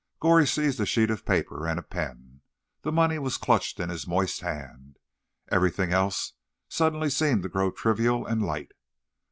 Goree seized a sheet of paper and a pen. The money was clutched in his moist hand. Everything else suddenly seemed to grow trivial and light.